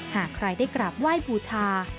หากใครได้กราบไหว้บูชา